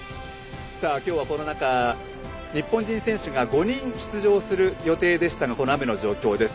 今日はこの中、日本人選手が５人出場する予定でしたがこの雨の状況です。